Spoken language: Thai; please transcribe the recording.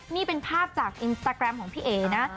นี่เป็นภาพจากอินสตาแกรมของพี่เอ๋นะ